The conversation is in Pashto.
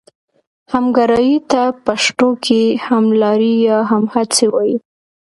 همګرایي ته پښتو کې هملاري یا همهڅي وايي.